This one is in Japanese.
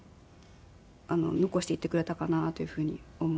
残していってくれたかなというふうに思います。